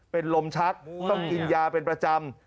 เป็นลมชักต้องกินยาเป็นประจำ